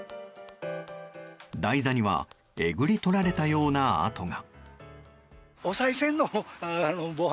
台座にはえぐり取られたような跡が。